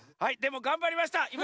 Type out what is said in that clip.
はいでもがんばりました。